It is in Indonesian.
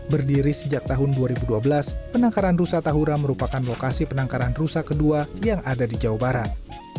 berdiri sejak tahun dua ribu dua belas penangkaran rusa tahura merupakan lokasi penangkaran rusa kedua yang ada di jawa barat